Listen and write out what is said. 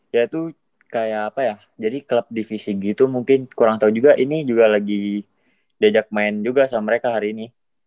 ya itu kayak apa ya jadi klub divisi gitu mungkin kurang tahu juga ini juga lagi diajak main juga sama mereka hari ini